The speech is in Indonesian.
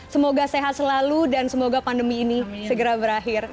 semoga sehat selalu dan semoga pandemi ini segera berakhir